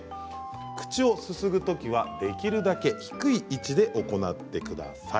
口をすすぐときは、できるだけ低い位置で行ってください。